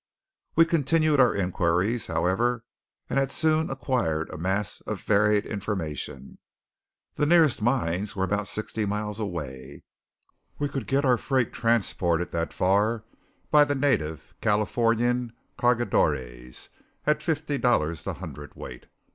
We continued our inquiries, however, and had soon acquired a mass of varied information. The nearest mines were about sixty miles away; we could get our freight transported that far by the native Californian cargadores at fifty dollars the hundredweight.